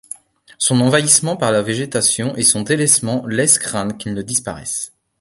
Son envahissement par la végétation et son délaissement laissent craindre qu'il ne disparaisse.